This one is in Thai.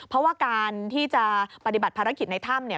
เพราะว่าการที่จะปฏิบัติภารกิจในถ้ำ